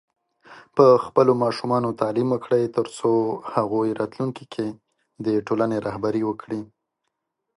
په خپلو ماشومانو تعليم وکړئ، ترڅو هغوی راتلونکي کې د ټولنې رهبري وکړي.